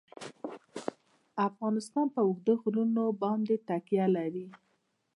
افغانستان په اوږده غرونه باندې تکیه لري.